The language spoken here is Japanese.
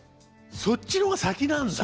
そっちの方が先なんだ。